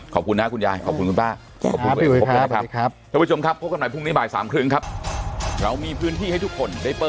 ขอบคุณนะคุณยายขอบคุณคุณป้าพบกันแล้วครับขอบคุณครับบ๊วยครับ